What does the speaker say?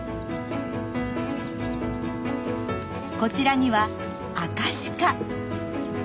こちらにはアカシカ。